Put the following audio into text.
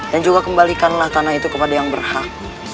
dan juga kembalikanlah tanah itu kepada yang berhak